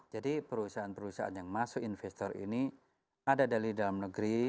jadi perusahaan perusahaan yang masuk investor ini ada dari dalam negeri